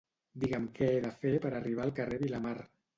Digue'm què he de fer per arribar al carrer Vilamar.